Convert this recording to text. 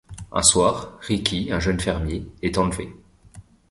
Un soir, Ricky, un jeune fermier, est enlevé.